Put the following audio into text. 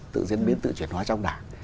tự diễn biến tự chuyển hóa trong đảng